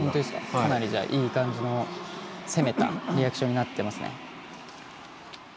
かなりいい感じの、攻めたリアクションになってますね。